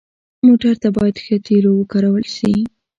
موټر ته باید ښه تیلو وکارول شي.